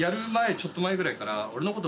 ちょっと前ぐらいから俺のこと。